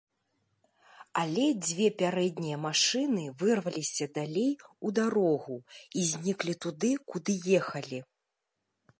Але дзве пярэднія машыны вырваліся далей у дарогу і зніклі туды, куды ехалі.